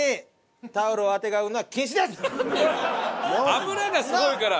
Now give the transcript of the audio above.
脂がすごいから。